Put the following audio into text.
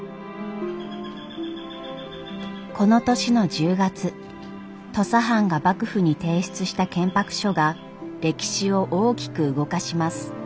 この年の１０月土佐藩が幕府に提出した建白書が歴史を大きく動かします。